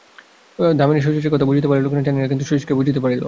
দামিনী শচীশের কথা বুঝিতে পারিল কি না জানি না, কিন্তু শচীশকে বুঝিতে পারিল।